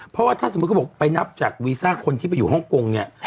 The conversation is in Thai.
เพราะว่าถ้าสมมุติเขาบอกไปนับจากวีซ่าคนที่ไปอยู่ฮ่องกงเนี่ย